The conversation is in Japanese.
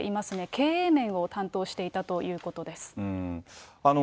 経営面を担当していたということです。